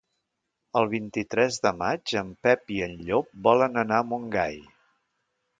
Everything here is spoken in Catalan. El vint-i-tres de maig en Pep i en Llop volen anar a Montgai.